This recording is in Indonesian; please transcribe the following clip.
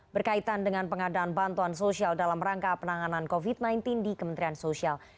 berkaitan dengan pengadaan bantuan sosial dalam rangka penanganan covid sembilan belas di kementerian sosial